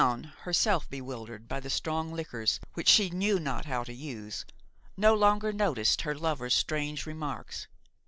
Noun, herself bewildered by the strong liquors which she knew not how to use, no longer noticed her lover's strange remarks.